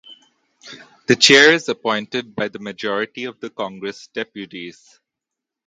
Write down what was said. The chair is appointed by the majority of the Congress of Deputies.